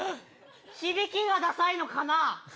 響きがださいのかな。